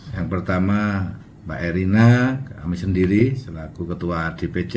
yang pertama mbak erina kami sendiri selaku ketua dpc